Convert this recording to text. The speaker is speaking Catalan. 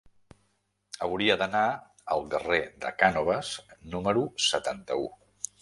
Hauria d'anar al carrer de Cànoves número setanta-u.